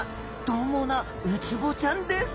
どう猛なウツボちゃんです。